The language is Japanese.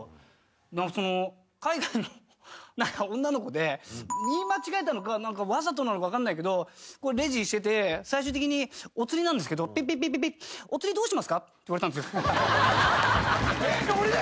海外の女の子で言い間違えたのかわざとなのか分かんないけどレジしてて最終的にお釣りなんですけどピッピッピッピ。って言われたんですよ。